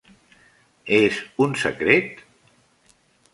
És un secret?